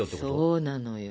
そうなのよ。